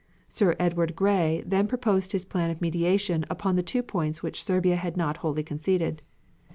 Sir Edward Grey then proposed his plan of mediation upon the two points which Serbia had not wholly conceded.